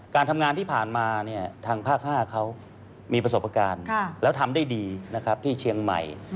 การทำงานที่ผ่านมาทางภาค๕เขามีประสบการณ์แล้วทำได้ดีนะครับที่เชียงใหม่